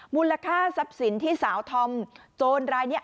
มูลค่าทรัพย์สินที่สาวธอมโจรรายนี้